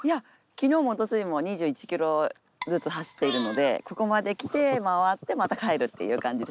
昨日もおとついも２１ｋｍずつ走っているのでここまで来て回ってまた帰るっていう感じで。